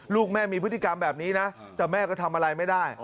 ลูกแม่มีพฤติกรรมแบบนี้นะแต่แม่ก็ทำอะไรไม่ได้